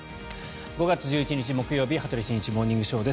５月１１日、木曜日「羽鳥慎一モーニングショー」。